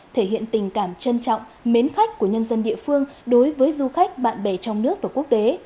thể hiện tình cảm trân trọng mến khách của nhân dân địa phương đối với du khách bạn bè trong nước và quốc tế